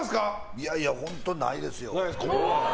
いやいや、本当ないですよ。